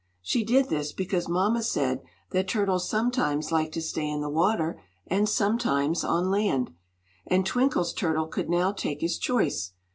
She did this because mamma said that turtles sometimes liked to stay in the water and sometimes on land, and Twinkle's turtle could now take his choice.